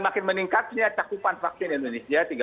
makin meningkatnya cakupan vaksin indonesia